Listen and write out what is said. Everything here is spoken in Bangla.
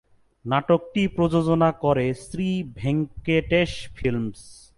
নাটকটি প্রযোজনা করে শ্রী ভেঙ্কটেশ ফিল্মস।